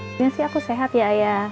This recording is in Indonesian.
sebenarnya sih aku sehat ya ayah